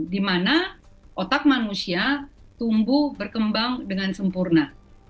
di mana otak manusia tumbuh berkembang dengan sempurna